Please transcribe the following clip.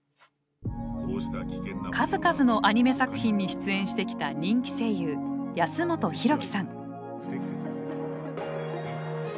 数々のアニメ作品に出演してきた人気声優安元洋貴さん。